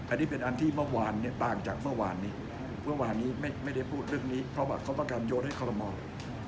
อันนี้เป็นอันที่เมื่อวานเนี่ยต่างจากเมื่อวานนี้เมื่อวานนี้ไม่ได้พูดเรื่องนี้เพราะว่าเขาประกันโยนให้คอรมอล